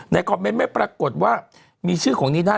คอมเมนต์ไม่ปรากฏว่ามีชื่อของนีน่า